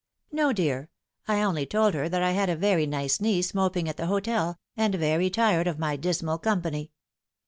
" No, dear. I only told her that I had a very nice niece moping at the hotel, and very tired of my dismal company."